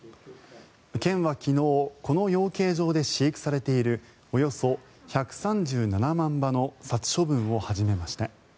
県は昨日この養鶏場で飼育されているおよそ１３７万羽の殺処分を始めました。